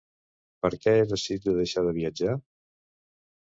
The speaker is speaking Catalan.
Per què he decidit de deixar de viatjar?